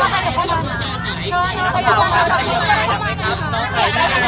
แต่มันเป็นการแสดงที่เราแตกต่างจากประเทศอื่นอีก